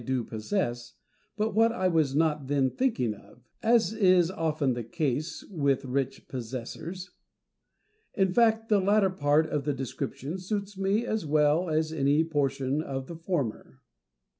do possess, but what I was not then thinking of ; as is often the case with rich possessors ; in fact, the latter part of the description suits me as well as any portion of the former.